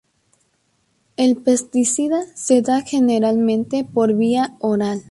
El pesticida se da generalmente por vía oral.